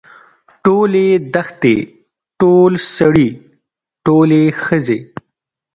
ټولې دښتې ټول سړي ټولې ښځې.